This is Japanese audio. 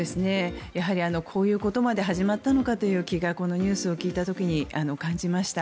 こういうことまで始まったのかという気がこのニュースを聞いた時に感じました。